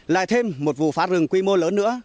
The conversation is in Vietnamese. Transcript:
lại thêm một vụ phá rừng quy mô lớn nữa